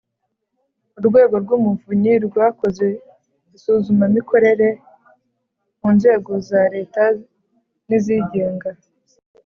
urwego rw’umuvunyi rwakoze isuzumamikorere mu nzego za leta n’izigenga